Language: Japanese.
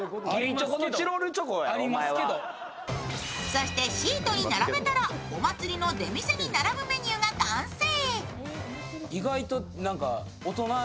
そしてシートに並べたらお祭りの出店に並ぶメニューが完成。